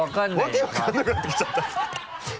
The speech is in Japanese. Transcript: わけ分からなくなってきちゃった